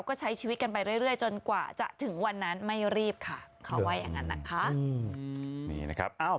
ขอวัยอย่างนั้นนะคะ